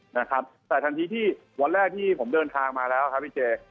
นะครับแต่ทันทีที่วันแรกที่ผมเดินทางมาแล้วครับพี่เจ